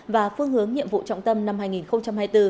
và phương hướng nhiệm vụ trọng tâm năm hai nghìn hai mươi bốn